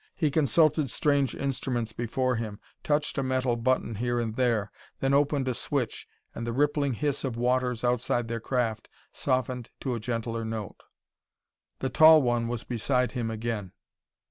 He consulted strange instruments before him, touched a metal button here and there, then opened a switch, and the rippling hiss of waters outside their craft softened to a gentler note. The tall one was beside him again.